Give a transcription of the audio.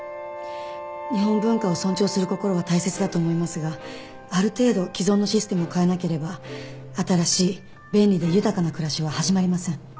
日本文化を尊重する心は大切だと思いますがある程度既存のシステムを変えなければ新しい便利で豊かな暮らしは始まりません。